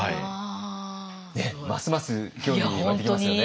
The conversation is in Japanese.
ますます興味湧いてきますよね。